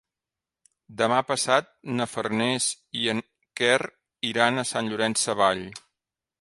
Demà passat na Farners i en Quer iran a Sant Llorenç Savall.